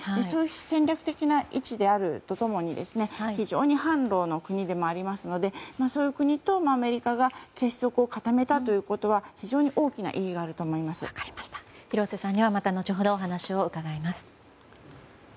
その戦略的な位置であるとともに非常に反露の国でもありますのでそういう国とアメリカが結束を固めたということは非常に大きな意義が廣瀬さんには後ほどまたお話を伺います。